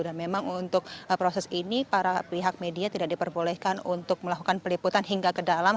dan memang untuk proses ini para pihak media tidak diperbolehkan untuk melakukan peliputan hingga ke dalam